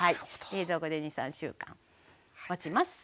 冷蔵庫で２３週間もちます。